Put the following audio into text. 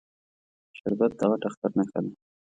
شربت د غټ اختر نښه ده